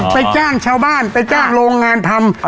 จ้างชาวบ้านไปจ้างโรงงานทำ